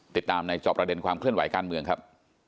ติดตามในจอบประเด็นความเคลื่อนไหวการเมืองครับ